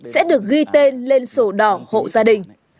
sẽ được ghi tên lên sổ đỏ hộ gia đình